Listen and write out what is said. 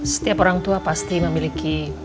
setiap orang tua pasti memiliki